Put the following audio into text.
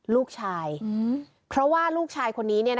ลูกชายเพราะว่าลูกชายคนนี้